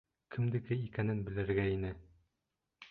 Кемдеке икәнен белергә ине.